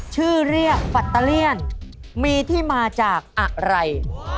ชื่อเรียกปัตเตอร์เลี่ยนมีที่มาจากอะไร